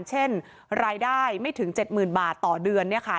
เช่นรายได้ไม่ถึง๗หมื่นบาทต่อเดือนนี้ค่ะ